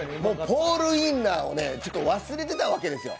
ポールウインナーを忘れていたわけですよ。